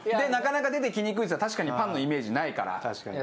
なかなか出てきにくいっつったら確かにパンのイメージないから。